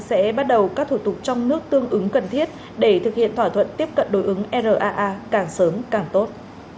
sẽ bắt đầu các thủ tục trong nước tương ứng cần thiết để thực hiện thỏa thuận tiếp cận đối ứng raa càng sớm càng tốt